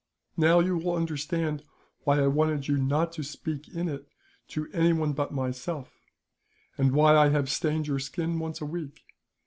Now you will understand why I wanted you not to speak in it, to anyone but myself; and why I have stained your skin, once a week.